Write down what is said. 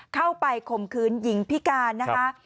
เข้าไปข่มคืนหญิงพิการนะฮะ